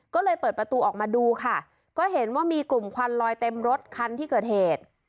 ก็เลยเปิดประตูออกมาดูค่ะก็เห็นว่ามีกลุ่มควันลอยเต็มรถคันที่เกิดเหตุ